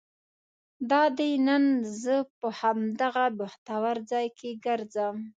دادی نن زه په همدغه بختور ځای کې ګرځم.